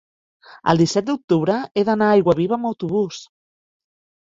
el disset d'octubre he d'anar a Aiguaviva amb autobús.